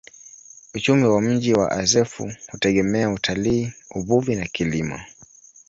Uchumi wa mji wa Azeffou hutegemea utalii, uvuvi na kilimo.